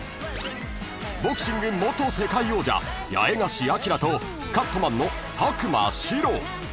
［ボクシング元世界王者八重樫東とカットマンの佐久間史朗］